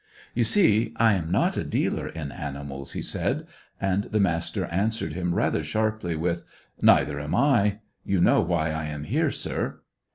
"You see, I am not a dealer in animals," he said. And the Master answered him rather sharply with: "Neither am I. You know why I am here, sir."